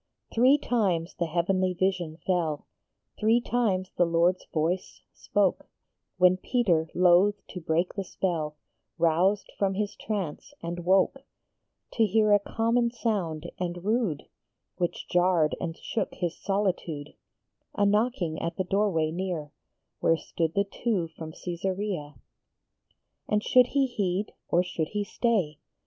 Three times the heavenly vision fell, Three times the Lord s voice spoke ; When Peter, loath to break the spell, Roused from his trance, and woke, To hear a common sound and rude, Which jarred and shook his solitude, A knocking at the doorway near, Where stood the two from Csesarea. THE VISION AND THE SUMMONS. $7 And should he heed, or should he stay?